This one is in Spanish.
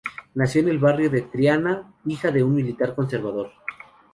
Nació en el barrio de Triana, hija de un militar conservador.